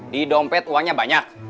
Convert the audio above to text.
di dompet uangnya banyak